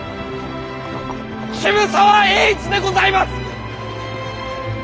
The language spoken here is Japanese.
渋沢栄一でございます！